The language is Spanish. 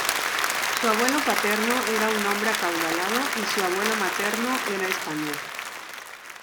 Su abuelo paterno era un hombre acaudalado y su abuelo materno era español.